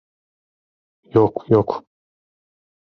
Yok, yok.